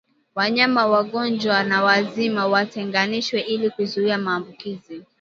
Wanyama wagonjwa na wazima watenganishwe ili kuzuia maambukizi